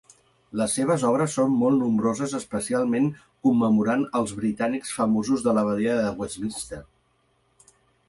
Les seves obres són molt nombroses especialment commemorant els britànics famosos de l'Abadia de Westminster.